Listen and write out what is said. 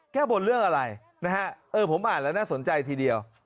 แก้บนเรื่องอะไรนะฮะเออผมอ่านแล้วน่าสนใจทีเดียว